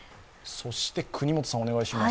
そして、國本さん、お願いします。